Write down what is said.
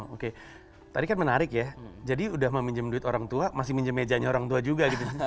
oke tadi kan menarik ya jadi udah meminjam duit orang tua masih minjem mejanya orang tua juga gitu